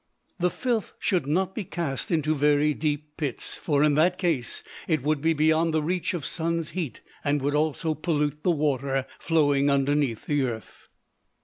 The filth should not be cast into very deep pits, for, in that case, it would be beyond the reach of sun's heat, and would also pollute the water flowing underneath the earth.